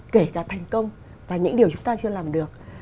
kể cả thành công và những điều chúng ta chưa làm được